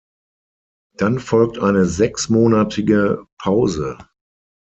Dann folgt eine sechsmonatige Pause.